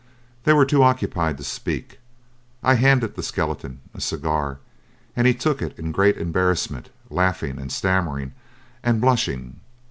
They were too occupied to speak. I handed the skeleton a cigar, and he took it in great embarrassment, laughing and stammering and blushing.